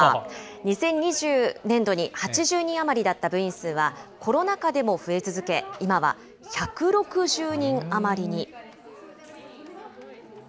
２０２０年度に８０人余りだった部員数は、コロナ禍でも増え続け、今は１６０人余りに。